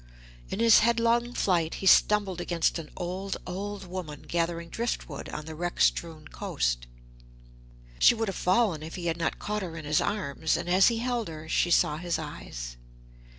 In his headlong flight he stumbled against an old, old woman, gathering drift wood on the wreck strewn coast. She would have fallen if he had not caught her in his arms, and as he held her she saw his eyes.